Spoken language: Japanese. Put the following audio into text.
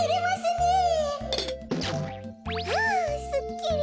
ああすっきり。